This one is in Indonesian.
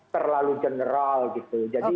terlalu general gitu jadi